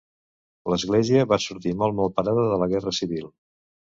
L'església va sortir molt mal parada de la Guerra Civil.